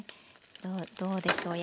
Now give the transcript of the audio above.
どうでしょう？